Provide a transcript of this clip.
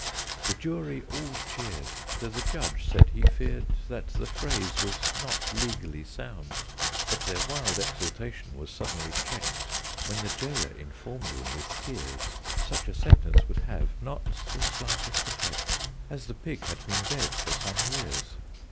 The Jury all cheered, though the Judge said he feared That the phrase was not legally sound. But their wild exultation was suddenly checked When the jailer informed them, with tears, Such a sentence would have not the slightest effect, As the pig had been dead for some years.